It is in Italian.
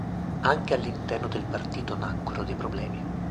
Anche all'interno del partito nacquero dei problemi.